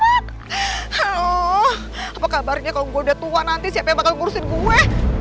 halo apa kabarnya kalau gue udah tua nanti siapa yang bakal ngurusin gue